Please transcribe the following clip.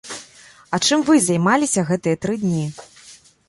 А чым вы займаліся гэтыя тры дні?